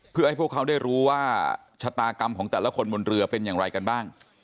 เพื่อให้พวกเขาได้รู้ว่าชะตากรรมของแต่ละคนบนเรือเป็นอย่างไรกันบ้าง